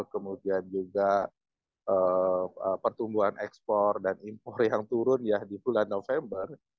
kemudian juga pertumbuhan ekspor dan impor yang turun ya di bulan november